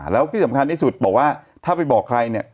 แล้วที่สำคัญที่สุดบอกว่าถ้าไปบอกใครเนี่ย